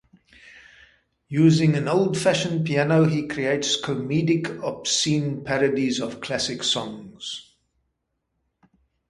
Using an old-fashioned piano, he creates comedic, obscene parodies of classic songs.